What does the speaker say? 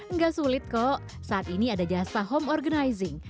nggak sulit kok saat ini ada jasa home organizing